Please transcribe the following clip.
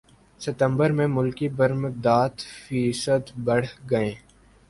ستمبر میں ملکی برمدات فیصد بڑھ گئیں